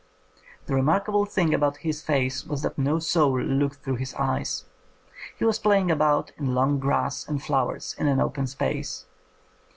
The remarkable thing about his face was that no soul looked through his eyes. He was playing about in long grass and flowers in an open space."